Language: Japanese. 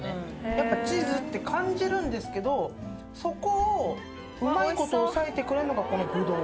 やっぱチーズって感じるんですけどそこをうまいこと抑えてくれるのがこのぶどう。